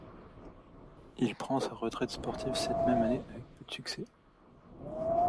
Il prend sa retraite sportive cette même année avec peu de succès.